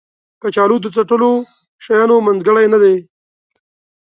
کچالو د څټلو شیانو منځګړی نه دی